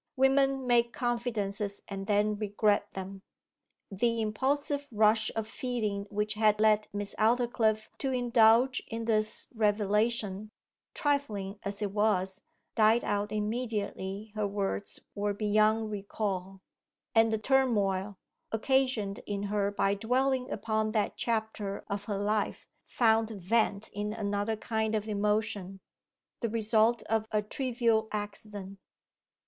Women make confidences and then regret them. The impulsive rush of feeling which had led Miss Aldclyffe to indulge in this revelation, trifling as it was, died out immediately her words were beyond recall; and the turmoil, occasioned in her by dwelling upon that chapter of her life, found vent in another kind of emotion the result of a trivial accident.